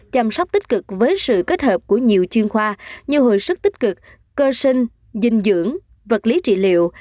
chăm sóc tích cực với sự kết hợp của nhiều chuyên khoa như hồi sức tích cực cơ sinh dinh dưỡng vật lý trị liệu